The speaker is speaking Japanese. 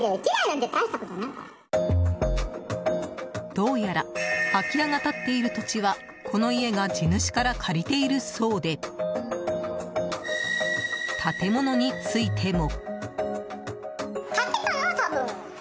どうやら空き家が立っている土地はこの家が地主から借りているそうで建物についても。